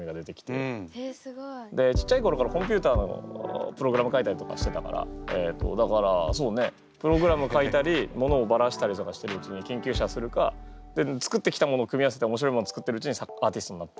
えっすごい。でちっちゃい頃からコンピューターのプログラム書いたりとかしてたからえっとだからそうねプログラム書いたり物をバラしたりとかしているうちに研究者するか作ってきたものを組み合わせておもしろいもん作ってるうちにアーティストになって。